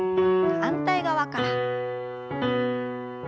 反対側から。